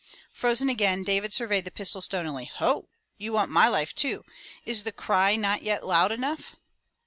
Frozen again, David surveyed the pistol stonily. '*Ho! You want my Ufe too. Is the cry not yet loud enough.